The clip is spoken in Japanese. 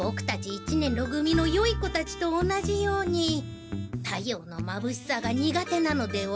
一年ろ組のよい子たちと同じように太陽のまぶしさが苦手なのでは？